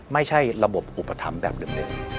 ไม่ใช่ระบบอุปถัมภ์แบบเดิม